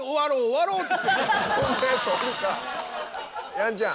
やんちゃん。